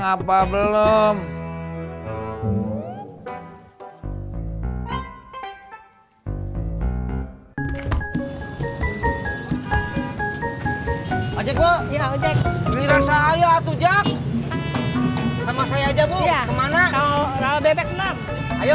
gate go ia tidak ojek mention saya tujak sama saya jabu terdetek appear ayo